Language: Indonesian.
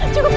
cukup g g